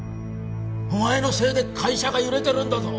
お前のせいで会社が揺れてるんだぞ！